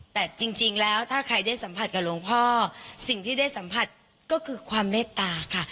แต่จริงแล้วถ้าใครได้สัมผัสกับหลวงพ่อสิ่งที่ได้สัมผัสก็คือความเมตตาค่ะ